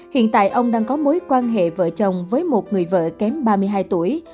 hiện tại ông đang có mối quan hệ vợ chồng với một người vợ kém ba mươi hai tuổi